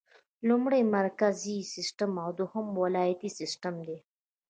لومړی مرکزي سیسټم او دوهم ولایتي سیسټم دی.